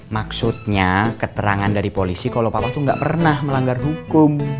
maksudnya keterangan dari polisi kalo papa tuh ga pernah melanggar hukum